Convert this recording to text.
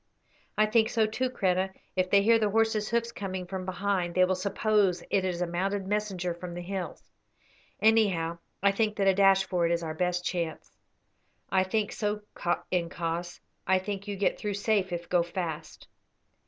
"I think so too, Kreta. If they hear the horse's hoofs coming from behind they will suppose it is a mounted messenger from the hills. Anyhow, I think that a dash for it is our best chance." "I think so, incos. I think you get through safe if go fast."